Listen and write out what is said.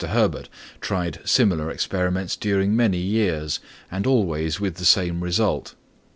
Herbert tried similar experiments during many years, and always with the same result.